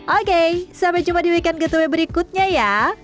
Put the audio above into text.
oke sampai jumpa di weekend g dua w berikutnya ya